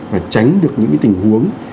và tránh được những tình huống